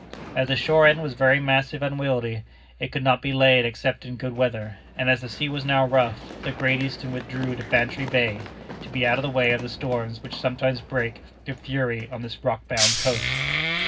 As the shore end was very massive and unwieldy, it could not be laid except in good weather; and as the sea was now rough, the Great Eastern withdrew to Bantry Bay, to be out of the way of the storms which sometimes break with fury on this rock bound coast.